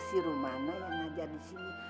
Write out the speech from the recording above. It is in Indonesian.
si rumah anak yang ngajar di sini